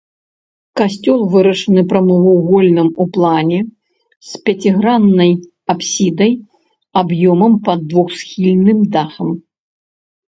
Касцёл вырашаны прамавугольным у плане з пяціграннай апсідай аб'ёмам пад двухсхільным дахам.